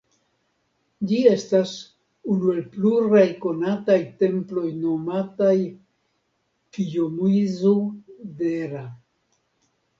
Ĝi estas unu el pluraj konataj temploj nomataj Kijomizu-dera.